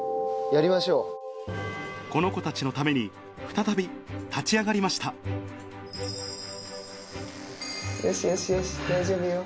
この子たちのために再び立ち上がりましたよしよしよし大丈夫よ。